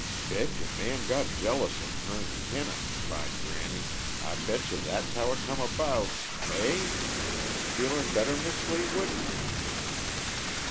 "Betche Man got jealous of her'n Kenneth by granny, I betche that's how it come about hey? Feelin' better, Mis' Fleetwood?"